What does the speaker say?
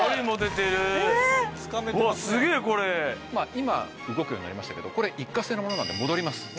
今動くようになりましたけどこれ一過性のものなんで戻ります。